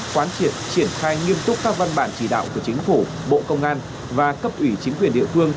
quán triệt triển khai nghiêm túc các văn bản chỉ đạo của chính phủ bộ công an và cấp ủy chính quyền địa phương